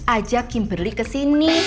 ajak kimberly kesini